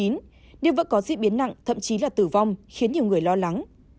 điều vẫn có diễn biến nặng thậm chí là tử vong khiến nhiều người lo lắng